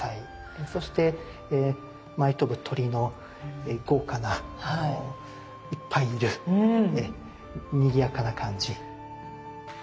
そして舞い飛ぶ鳥の豪華ないっぱいいるにぎやかな感じ。